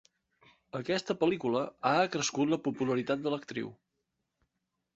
Aquesta pel·lícula ha acrescut la popularitat de l'actriu.